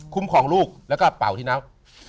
คุ้มครองลูกแล้วก็เป่าที่น้ำ